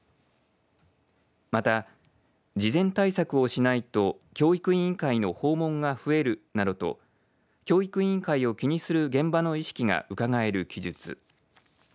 また、事前対策をしないと教育委員会の訪問が増えるなどと教育委員会を気にする現場の意識がうかがえる記述。